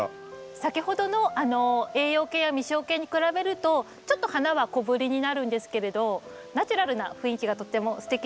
先ほどの栄養系や実生系に比べるとちょっと花は小ぶりになるんですけれどナチュラルな雰囲気がとってもすてきですよね。